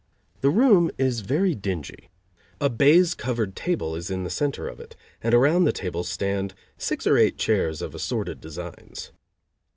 The room is very dingy. A baize covered table is in the center of it, and around the table stand six or eight chairs of assorted designs.